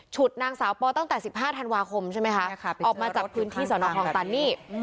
นางสาวปอตั้งแต่๑๕ธันวาคมใช่ไหมคะออกมาจากพื้นที่สนคลองตันนี่